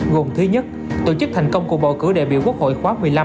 gồm thứ nhất tổ chức thành công cuộc bầu cử đại biểu quốc hội khóa một mươi năm